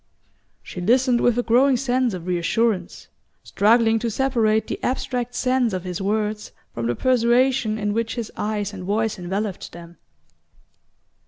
She listened with a growing sense of reassurance, struggling to separate the abstract sense of his words from the persuasion in which his eyes and voice enveloped them.